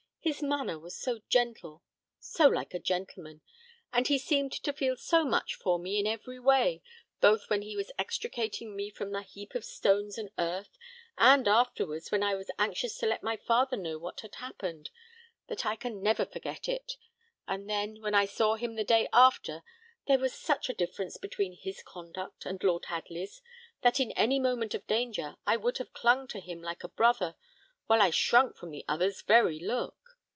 "His manner was so gentle, so like a gentleman; and he seemed to feel so much for me in every way, both when he was extricating me from the heap of stones and earth, and afterwards when I was anxious to let my father know what had happened, that I can never forget it; and then, when I saw him the day after, there was such a difference between his conduct and Lord Hadley's, that in any moment of danger I would have clung to him like a brother, while I shrunk from the other's very look.